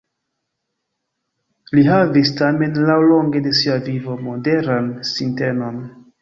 Li havis tamen laŭlonge de sia vivo moderan sintenon.